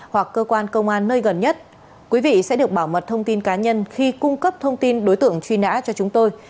hoặc cơ quan công an nơi gần nhất quý vị sẽ được bảo mật thông tin cá nhân khi cung cấp thông tin đối tượng truy nã cho chúng tôi